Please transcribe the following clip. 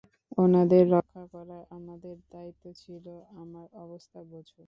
ওনাদের রক্ষা করা আমার দায়িত্ব ছিল, আমার অবস্থা বোঝো?